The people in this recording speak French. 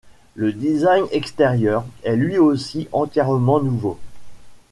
Le design extérieur est lui aussi entièrement nouveau.